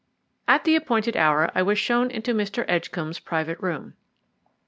At the appointed hour I was shown into Mr. Edgcombe's private room.